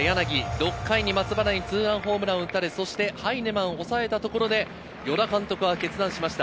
６回に松原にツーランホームランを打たれ、ハイネマンを抑えたところで、与田監督が決断しました。